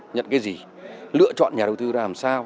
nhận cái gì lựa chọn nhà đầu tư làm sao